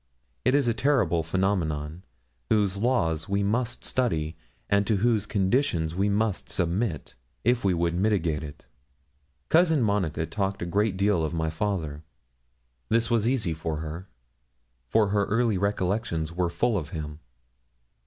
It is a terrible phenomenon, whose laws we must study, and to whose conditions we must submit, if we would mitigate it. Cousin Monica talked a great deal of my father. This was easy to her, for her early recollections were full of him.